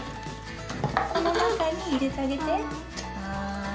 この中に入れてあげて。